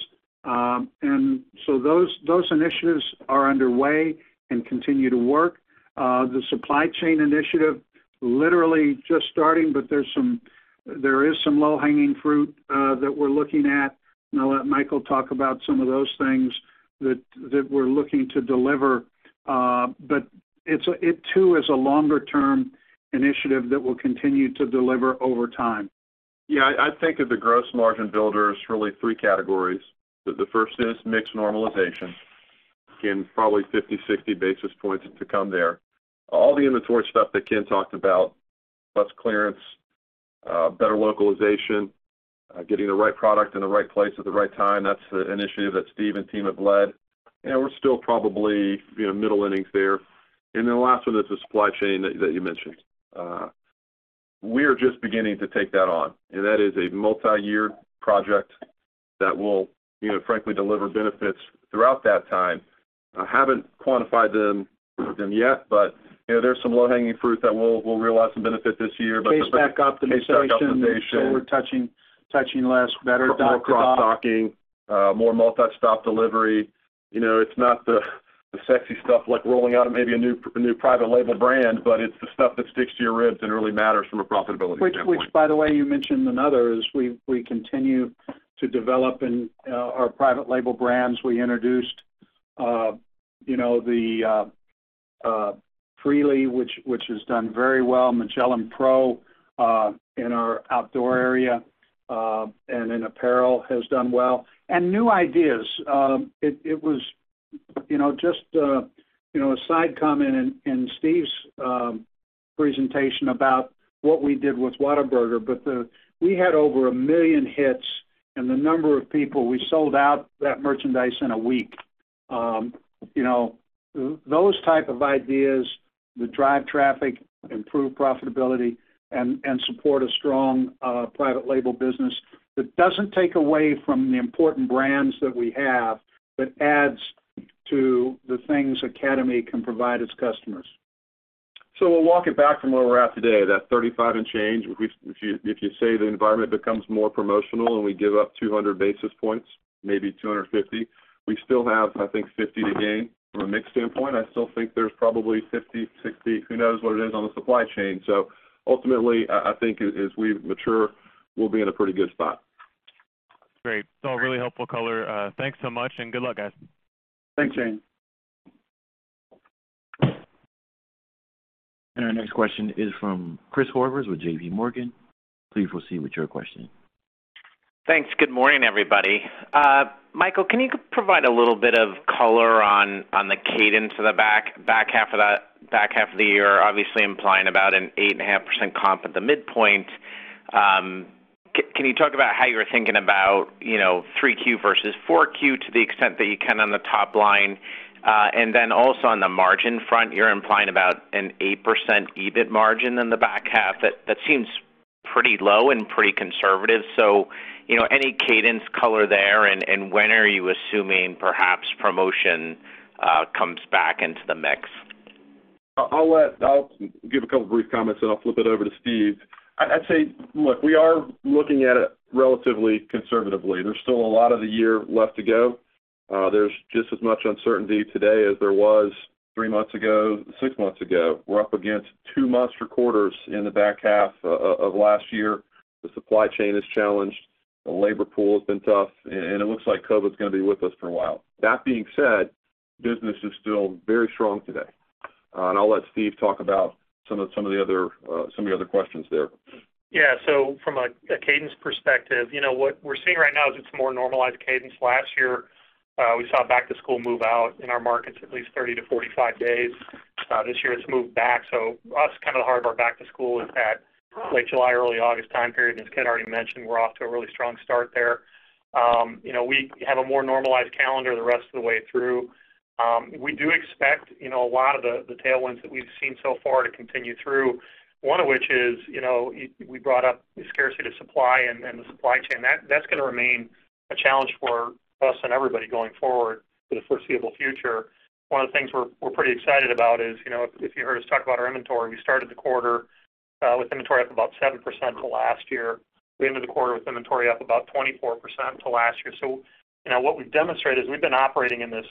Those initiatives are underway and continue to work. The supply chain initiative literally just starting, but there is some low-hanging fruit that we're looking at, and I'll let Michael talk about some of those things that we're looking to deliver. It too is a longer-term initiative that will continue to deliver over time. I think of the gross margin builders really three categories. The first is mix normalization. Again, probably 50, 60 basis points to come there. All the inventory stuff that Ken talked about, plus clearance, better localization, getting the right product in the right place at the right time. That's the initiative that Steve and team have led. We're still probably middle innings there. The last one is the supply chain that you mentioned. We are just beginning to take that on, and that is a multi-year project that will frankly deliver benefits throughout that time. I haven't quantified them yet, but there's some low-hanging fruit that we'll realize some benefit this year. Case pack optimization Case pack optimization store touching less, better stocked up. More cross-docking, more multi-stop delivery. It's not the sexy stuff like rolling out maybe a new private label brand, but it's the stuff that sticks to your ribs and really matters from a profitability standpoint. Which, by the way, you mentioned in others, we continue to develop in our private label brands. We introduced the Freely, which has done very well. Magellan Pro in our outdoor area and in apparel has done well. New ideas. It was just a side comment in Steve's presentation about what we did with Whataburger, but we had over a million hits and the number of people, we sold out that merchandise in a week. Those type of ideas that drive traffic, improve profitability, and support a strong private label business, that doesn't take away from the important brands that we have, but adds to the things Academy can provide its customers. We'll walk it back from where we're at today, that 35 and change. If you say the environment becomes more promotional and we give up 200 basis points, maybe 250, we still have, I think, 50 to gain from a mix standpoint. I still think there's probably 50, 60, who knows what it is, on the supply chain. Ultimately, I think as we mature, we'll be in a pretty good spot. Great. It's all really helpful color. Thanks so much and good luck, guys. Thanks, Shane. Our next question is from Chris Horvers with JPMorgan. Please proceed with your question. Thanks. Good morning, everybody. Michael, can you provide a little bit of color on the cadence of the back half of the year, obviously implying about an 8.5% comp at the midpoint? Can you talk about how you're thinking about 3Q versus 4Q to the extent that you can on the top line? Then also on the margin front, you're implying about an 8% EBIT margin in the back half. That seems pretty low and pretty conservative. Any cadence color there, and when are you assuming perhaps promotion comes back into the mix? I'll give a couple of brief comments and I'll flip it over to Steve. I'd say, look, we are looking at it relatively conservatively. There's still a lot of the year left to go. There's just as much uncertainty today as there was three months ago, six months ago. We're up against two monster quarters in the back half of last year. The supply chain is challenged. The labor pool has been tough, and it looks like COVID's going to be with us for a while. That being said, business is still very strong today. I'll let Steve talk about some of the other questions there. Yeah. From a cadence perspective, what we're seeing right now is it's more normalized cadence. Last year, we saw back-to-school move out in our markets at least 30-45 days. This year it's moved back. Us, the heart of our back-to-school is that late July, early August time period. As Ken already mentioned, we're off to a really strong start there. We have a more normalized calendar the rest of the way through. We do expect a lot of the tailwinds that we've seen so far to continue through. 1 of which is, we brought up the scarcity to supply and the supply chain. That's going to remain a challenge for us and everybody going forward for the foreseeable future. One of the things we're pretty excited about is, if you heard us talk about our inventory, we started the quarter with inventory up about 7% to last year. We ended the quarter with inventory up about 24% to last year. What we've demonstrated is we've been operating in this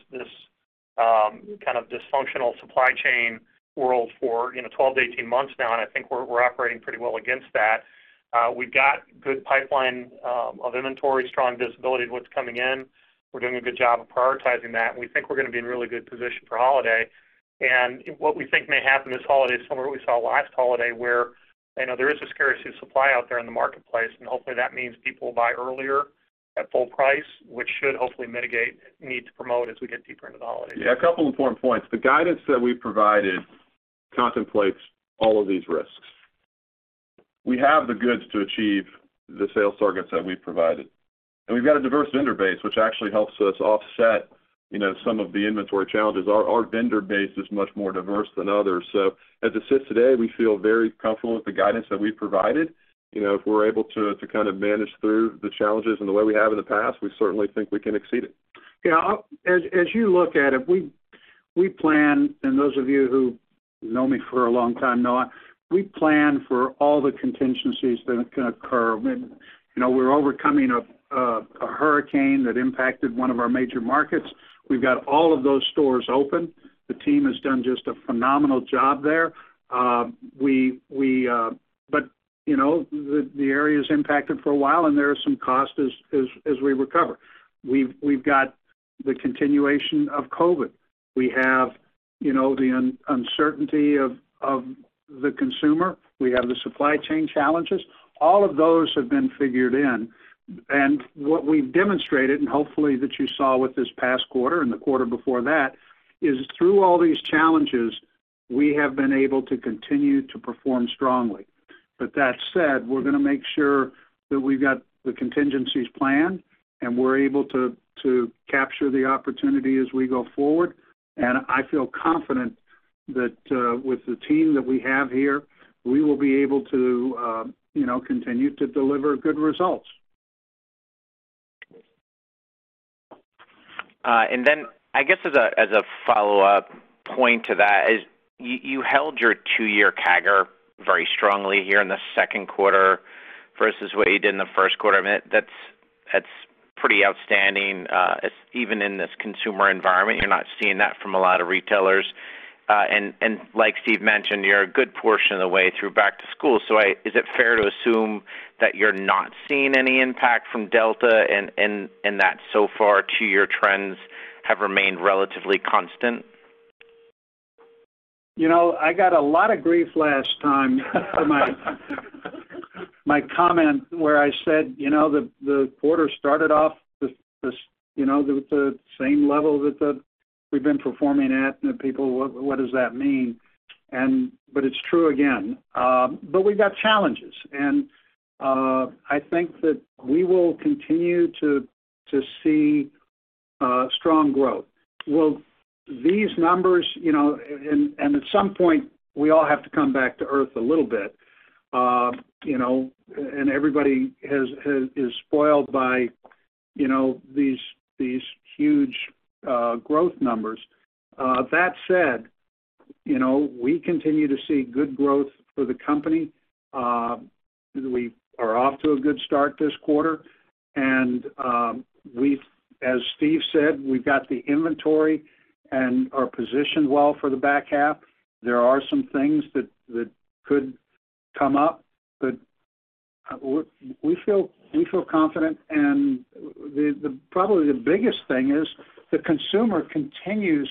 kind of dysfunctional supply chain world for 12-18 months now, and I think we're operating pretty well against that. We've got good pipeline of inventory, strong visibility of what's coming in. We're doing a good job of prioritizing that, and we think we're going to be in a really good position for holiday. What we think may happen this holiday is similar to what we saw last holiday where there is a scarcity of supply out there in the marketplace. Hopefully that means people will buy earlier at full price, which should hopefully mitigate need to promote as we get deeper into the holiday season. Yeah, a couple important points. The guidance that we provided contemplates all of these risks. We have the goods to achieve the sales targets that we've provided. We've got a diverse vendor base, which actually helps us offset some of the inventory challenges. Our vendor base is much more diverse than others. As it sits today, we feel very comfortable with the guidance that we've provided. If we're able to kind of manage through the challenges in the way we have in the past, we certainly think we can exceed it. Yeah. As you look at it, we plan, and those of you who know me for a long time know, we plan for all the contingencies that can occur. We're overcoming Hurricane Ida that impacted one of our major markets. We've got all of those stores open. The team has done just a phenomenal job there. The area is impacted for a while, and there are some costs as we recover. We've got the continuation of COVID. We have the uncertainty of the consumer. We have the supply chain challenges. All of those have been figured in. What we've demonstrated, and hopefully that you saw with this past quarter and the quarter before that, is through all these challenges, we have been able to continue to perform strongly. That said, we're going to make sure that we've got the contingencies planned and we're able to capture the opportunity as we go forward. I feel confident that with the team that we have here, we will be able to continue to deliver good results. I guess as a follow-up point to that is, you held your two-year CAGR very strongly here in the second quarter versus what you did in the first quarter. That's pretty outstanding. Even in this consumer environment, you're not seeing that from a lot of retailers. Like Steve mentioned, you're a good portion of the way through back to school. Is it fair to assume that you're not seeing any impact from Delta and that so far two-year trends have remained relatively constant? I got a lot of grief last time for my comment where I said, the quarter started off with the same level that we've been performing at, and then people, "What does that mean?" It's true again. We've got challenges, and I think that we will continue to see strong growth. Well, these numbers, and at some point, we all have to come back to earth a little bit. Everybody is spoiled by these huge growth numbers. That said, we continue to see good growth for the company. We are off to a good start this quarter, and as Steve said, we've got the inventory and are positioned well for the back half. There are some things that could come up, but we feel confident. Probably the biggest thing is the consumer continues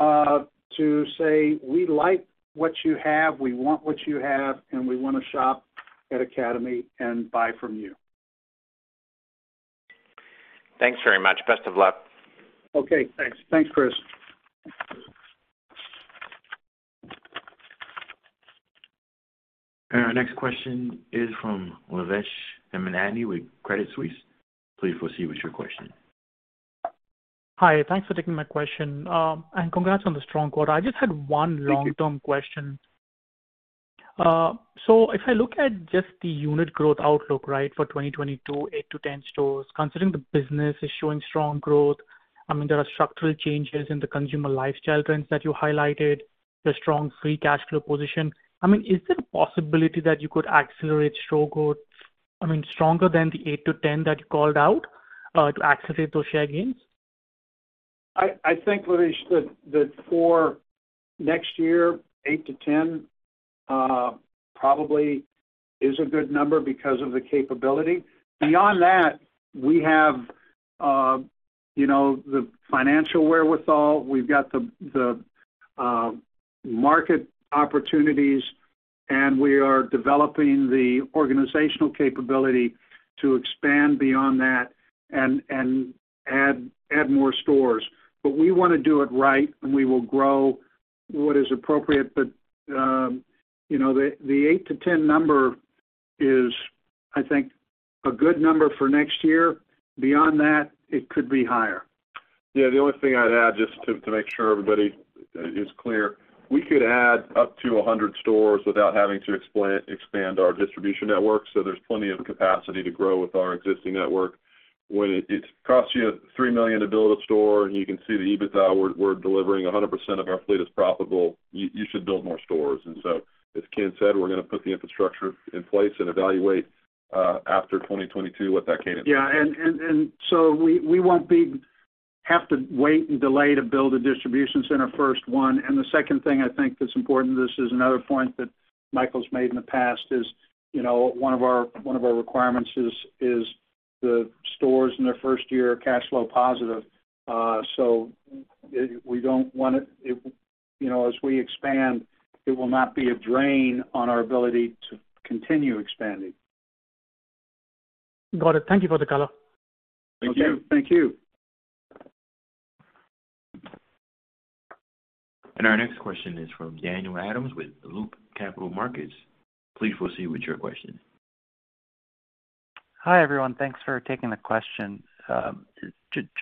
to say, "We like what you have, we want what you have, and we want to shop at Academy and buy from you. Thanks very much. Best of luck. Okay, thanks. Thanks, Chris. Our next question is from Lavesh Hemnani with Credit Suisse. Please proceed with your question. Hi, thanks for taking my question, and congrats on the strong quarter. I just had one long-term question. Thank you. If I look at just the unit growth outlook, right, for 2022, eight to 10 stores, considering the business is showing strong growth, there are structural changes in the consumer lifestyle trends that you highlighted, the strong free cash flow position. Is there a possibility that you could accelerate store growth stronger than the 8 to 10 that you called out to accelerate those share gains? I think, Lavesh, that for next year, eight to 10 probably is a good number because of the capability. Beyond that, we have the financial wherewithal, we've got the market opportunities, and we are developing the organizational capability to expand beyond that and add more stores. We want to do it right, and we will grow what is appropriate. The eight to 10 number is, I think, a good number for next year. Beyond that, it could be higher. Yeah, the only thing I'd add, just to make sure everybody is clear, we could add up to 100 stores without having to expand our distribution network, so there's plenty of capacity to grow with our existing network. When it costs you $3 million to build a store and you can see the EBITDA we're delivering, 100% of our fleet is profitable, you should build more stores. As Ken said, we're going to put the infrastructure in place and evaluate after 2022 what that cadence is. Yeah. We won't have to wait and delay to build a distribution center, first one. The second thing, I think that's important, this is another point that Michael's made in the past, is one of our requirements is the stores in their first year are cash flow positive. We don't want it, as we expand, it will not be a drain on our ability to continue expanding. Got it. Thank you for the color. Thank you. Thank you. Our next question is from Doug Adams with Loop Capital Markets. Please proceed with your question. Hi, everyone. Thanks for taking the question.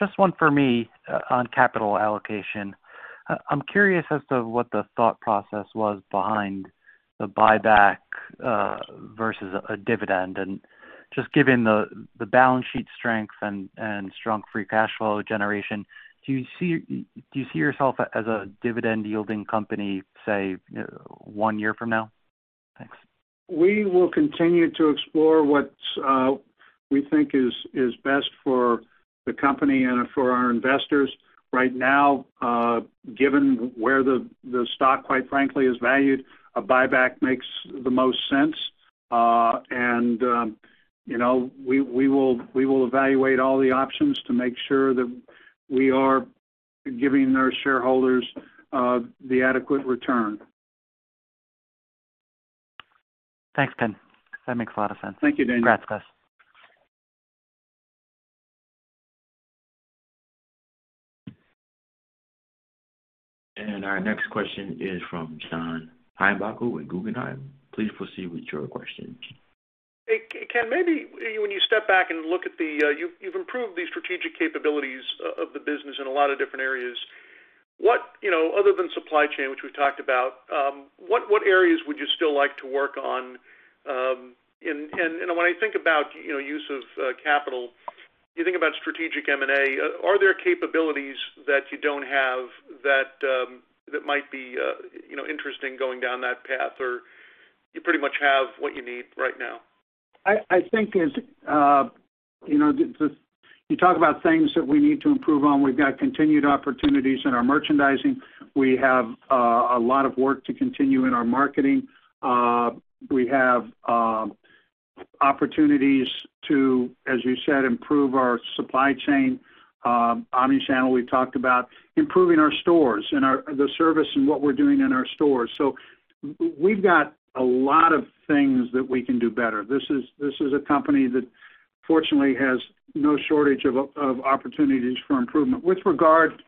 Just one for me on capital allocation. I'm curious as to what the thought process was behind the buyback versus a dividend. Just given the balance sheet strength and strong free cash flow generation, do you see yourself as a dividend-yielding company, say, one year from now? Thanks. We will continue to explore what we think is best for the company and for our investors. Right now, given where the stock quite frankly is valued, a buyback makes the most sense. We will evaluate all the options to make sure that we are giving our shareholders the adequate return. Thanks, Ken. That makes a lot of sense. Thank you, Daniel. Congrats, guys. Our next question is from John Heinbockel with Guggenheim. Please proceed with your questions. Hey, Ken, maybe when you step back and look at, You've improved the strategic capabilities of the business in a lot of different areas. Other than supply chain, which we've talked about, what areas would you still like to work on? When I think about use of capital, you think about strategic M&A, are there capabilities that you don't have that might be interesting going down that path, or you pretty much have what you need right now? I think as you talk about things that we need to improve on, we've got continued opportunities in our merchandising. We have a lot of work to continue in our marketing. We have opportunities to, as you said, improve our supply chain, omni-channel, we've talked about, improving our stores and the service and what we're doing in our stores. We've got a lot of things that we can do better. This is a company that fortunately has no shortage of opportunities for improvement. With regard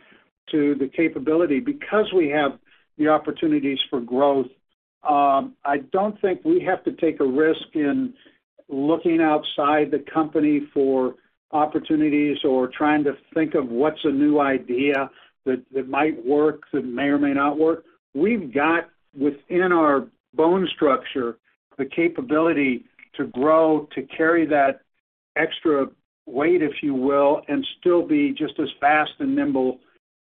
to the capability, because we have the opportunities for growth, I don't think we have to take a risk in looking outside the company for opportunities or trying to think of what's a new idea that might work, that may or may not work. We've got within our bone structure, the capability to grow, to carry that extra weight, if you will, and still be just as fast and nimble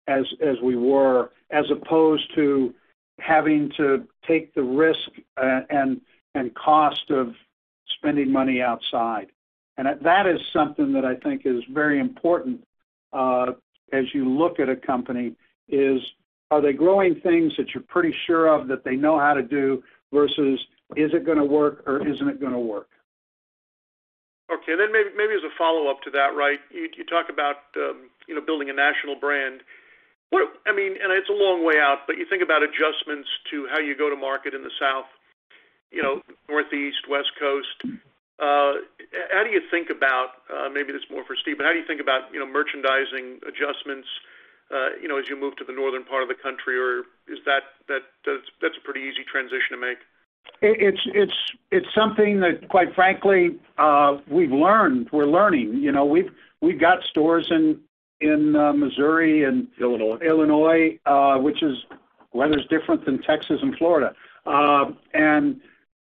as we were, as opposed to having to take the risk and cost of spending money outside. That is something that I think is very important, as you look at a company is, are they growing things that you're pretty sure of, that they know how to do versus is it going to work or isn't it going to work? Okay. Maybe as a follow-up to that, you talk about building a national brand. It's a long way out, but you think about adjustments to how you go to market in the South, Northeast, West Coast. Maybe this is more for Steve, how do you think about merchandising adjustments as you move to the northern part of the country or that's a pretty easy transition to make? It's something that quite frankly, we're learning. We've got stores in Missouri and- Illinois Illinois, weather's different than Texas and Florida.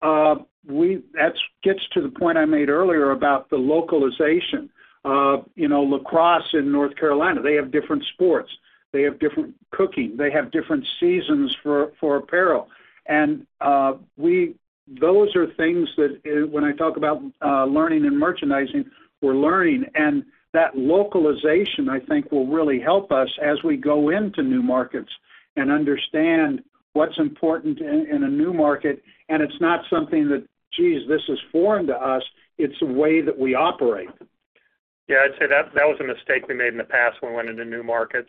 That gets to the point I made earlier about the localization. Lacrosse in North Carolina, they have different sports. They have different cooking. They have different seasons for apparel. Those are things that when I talk about learning and merchandising, we're learning. That localization, I think, will really help us as we go into new markets and understand what's important in a new market, and it's not something that, geez, this is foreign to us. It's a way that we operate. Yeah, I'd say that was a mistake we made in the past when we went into new markets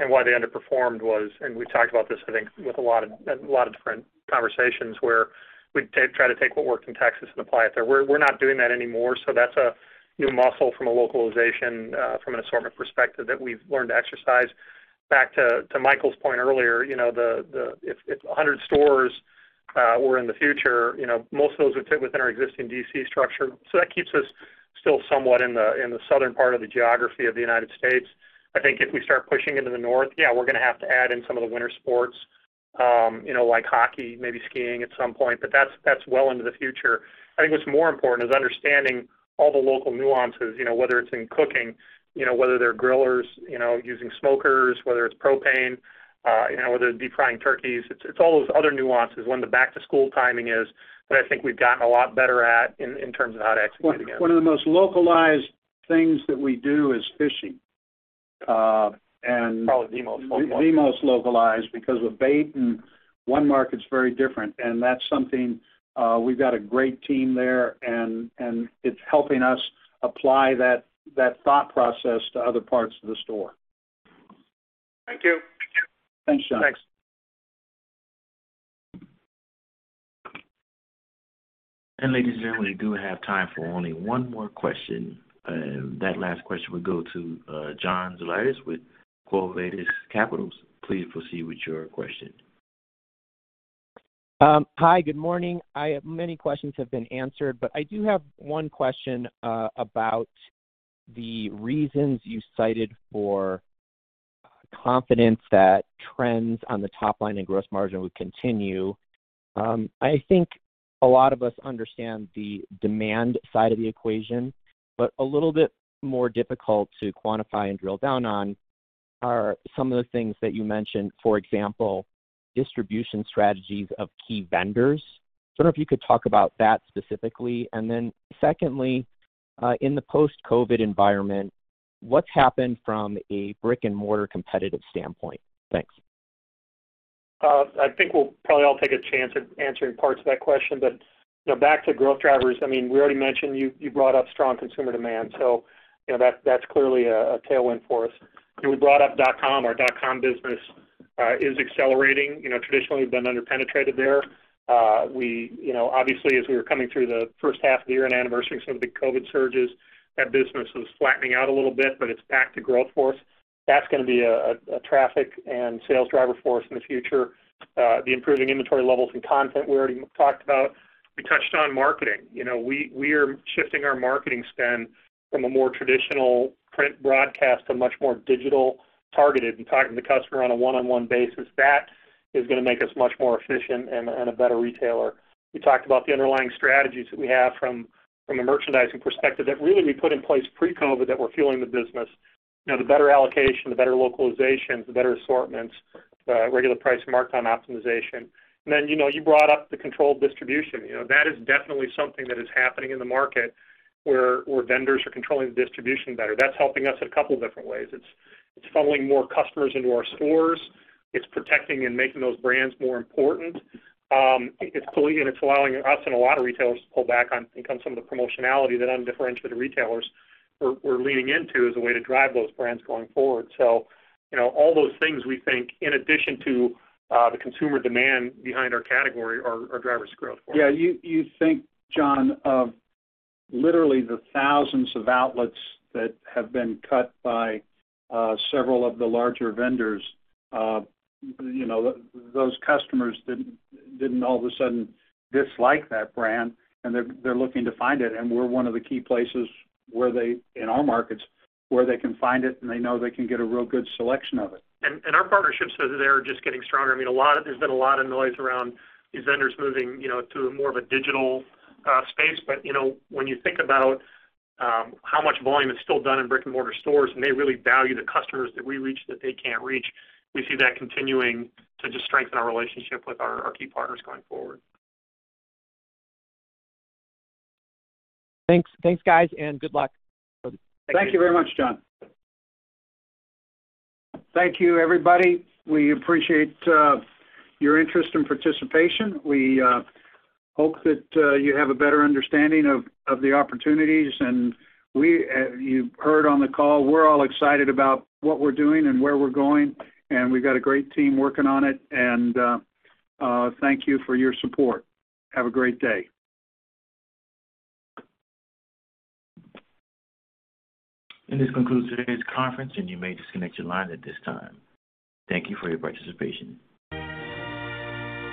and why they underperformed was, and we talked about this, I think, with a lot of different conversations where we try to take what worked in Texas and apply it there. We're not doing that anymore, so that's a new muscle from a localization, from an assortment perspective that we've learned to exercise. Back to Michael's point earlier, if 100 stores were in the future, most of those would fit within our existing DC structure. That keeps us still somewhat in the southern part of the geography of the United States. I think if we start pushing into the north, yeah, we're going to have to add in some of the winter sports like hockey, maybe skiing at some point, but that's well into the future. I think what's more important is understanding all the local nuances, whether it's in cooking, whether they're grillers using smokers, whether it's propane, whether it's deep frying turkeys. It's all those other nuances when the back-to-school timing is that I think we've gotten a lot better at in terms of how to execute against. One of the most localized things that we do is fishing. Probably the most localized. The most localized because of bait and one market's very different, and that's something we've got a great team there, and it's helping us apply that thought process to other parts of the store. Thank you. Thanks, John. Thanks. Ladies and gentlemen, we do have time for only one more question. That last question would go to John Zolidis with Quo Vadis Capital. Please proceed with your question. Hi, good morning. Many questions have been answered. I do have one question about the reasons you cited for confidence that trends on the top line and gross margin would continue. I think a lot of us understand the demand side of the equation, but a little bit more difficult to quantify and drill down on are some of the things that you mentioned, for example, distribution strategies of key vendors. I don't know if you could talk about that specifically. Secondly, in the post-COVID environment, what's happened from a brick-and-mortar competitive standpoint? Thanks. I think we'll probably all take a chance at answering parts of that question. Back to growth drivers, we already mentioned you brought up strong consumer demand. That's clearly a tailwind for us. We brought up dot-com. Our dot-com business is accelerating. Traditionally, we've been under-penetrated there. Obviously, as we were coming through the first half of the year and anniversarying some of the COVID surges, that business was flattening out a little bit, but it's back to growth for us. That's going to be a traffic and sales driver for us in the future. The improving inventory levels and content we already talked about. We touched on marketing. We are shifting our marketing spend from a more traditional print broadcast to much more digital targeted and talking to the customer on a one-on-one basis. That is going to make us much more efficient and a better retailer. We talked about the underlying strategies that we have from a merchandising perspective that really we put in place pre-COVID that we're fueling the business. The better allocation, the better localization, the better assortments, regular price markdown optimization. You brought up the controlled distribution. That is definitely something that is happening in the market where vendors are controlling the distribution better. That's helping us in a couple different ways. It's funneling more customers into our stores. It's protecting and making those brands more important. It's allowing us and a lot of retailers to pull back on some of the promotionality that undifferentiated retailers were leaning into as a way to drive those brands going forward. All those things we think, in addition to the consumer demand behind our category, are drivers of growth for us. You think, John, of literally the thousands of outlets that have been cut by several of the larger vendors. Those customers didn't all of a sudden dislike that brand, and they're looking to find it, and we're one of the key places in our markets where they can find it, and they know they can get a real good selection of it. Our partnerships, they're just getting stronger. There's been a lot of noise around these vendors moving to more of a digital space. When you think about how much volume is still done in brick-and-mortar stores, and they really value the customers that we reach that they can't reach, we see that continuing to just strengthen our relationship with our key partners going forward. Thanks, guys, and good luck. Thank you very much, John. Thank you, everybody. We appreciate your interest and participation. We hope that you have a better understanding of the opportunities, and you've heard on the call, we're all excited about what we're doing and where we're going, and we've got a great team working on it. Thank you for your support. Have a great day. This concludes today's conference, and you may disconnect your line at this time. Thank you for your participation.